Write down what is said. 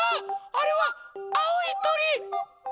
あれはあおいとり！